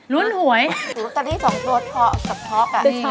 ถูกลอตเตอรี่๒ตัวท็อกกับช็อก